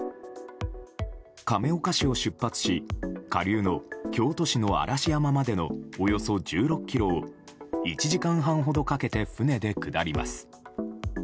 亀岡市を出発し下流の京都市の嵐山までのおよそ１６ｋｍを１時間半ほどかけて船で下ります。